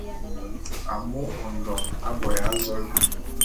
Amu Ondo aboya azoé.